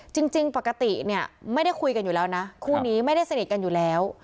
จริงปกติเนี่ยไม่ได้คุยกันอยู่แล้วนะคู่นี้ไม่ได้สนิทกันอยู่แล้ว